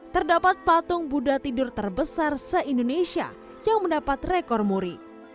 terdapat patung buddha tidur terbesar se indonesia yang mendapat rekor muri